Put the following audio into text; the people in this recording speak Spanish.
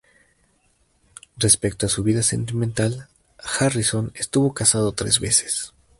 Respecto a su vida sentimental, Harrison estuvo casado tres veces.